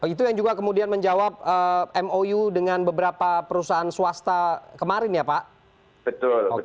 itu yang juga kemudian menjawab mou dengan beberapa perusahaan swasta kemarin ya pak